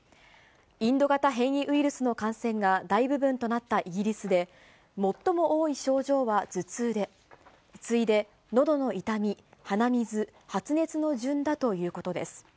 インド型変異ウイルスの感染が大部分となったイギリスで、最も多い症状は頭痛で、次いでのどの痛み、鼻水、発熱の順だということです。